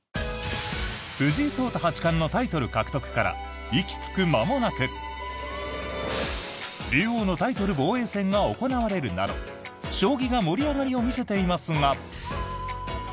藤井聡太八冠のタイトル獲得から息つく間もなく竜王のタイトル防衛戦が行われるなど将棋が盛り上がりを見せていますが。